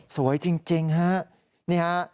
สวยจริงค่ะ